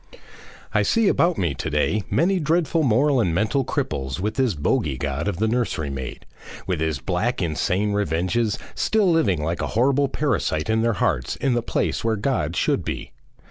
I see about me to day many dreadful moral and mental cripples with this bogey God of the nursery maid, with his black, insane revenges, still living like a horrible parasite in their hearts in the place where God should be.